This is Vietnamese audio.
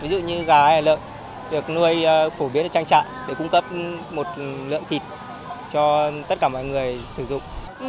ví dụ như gà hay lợn được nuôi phổ biến ở trang trại để cung cấp một lượng thịt cho tất cả mọi người sử dụng